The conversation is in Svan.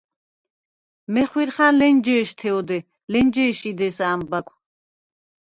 მეხვირხა̈ნ ლენჯე̄შთე ოდე, ლენჯე̄ში დე̄სა ა̈მბა̈გვ.